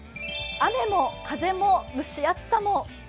雨も風も蒸し暑さも。